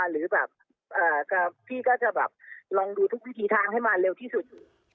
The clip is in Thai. หรือแบบพี่ก็จะแบบลองดูทุกวิธีทางให้มาเร็วที่สุด